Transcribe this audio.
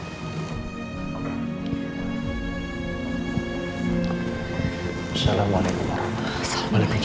assalamualaikum warahmatullahi wabarakatuh